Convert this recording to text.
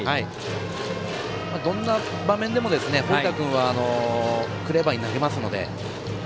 どんな場面でも堀田君はクレバーに投げますので。